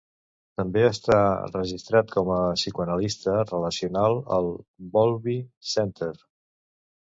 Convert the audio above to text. També està registrat com a psicoanalista relacional al Bowlby Center.